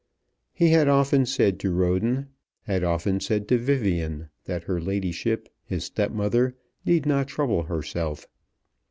He had often said to Roden, had often said to Vivian, that her ladyship, his stepmother, need not trouble herself.